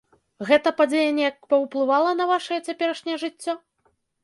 Гэта падзея неяк паўплывала на ваша цяперашняе жыццё?